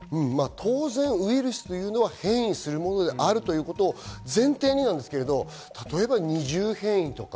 当然ウイルスというのは変異するものであるということを前提になんですが、例えば二重変異とか。